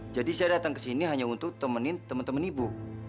jadi saya datang ke sini hanya untuk temenin teman teman ibu